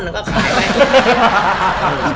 แล้วก็ขายไป